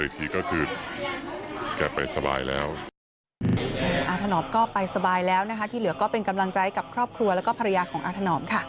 ที่เหลือก็เป็นกำลังใจกับครอบครัวแล้วก็ภรรยาของอาถนอมค่ะ